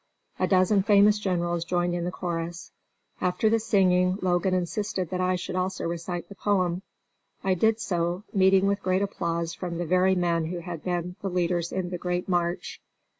A dozen famous generals joined in the chorus. After the singing, Logan insisted that I should also recite the poem. I did so, meeting with great applause from the very men who had been the leaders in the great "March."